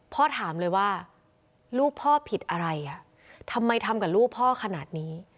พ่อถามเลยว่าลูกพ่อผิดอะไรอ่ะทำไมทำกับลูกพ่อขนาดนี้